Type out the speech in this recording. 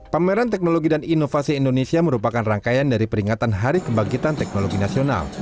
pameran teknologi dan inovasi indonesia merupakan rangkaian dari peringatan hari kebangkitan teknologi nasional